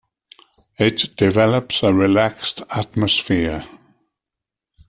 It develops a relaxed atmosphere.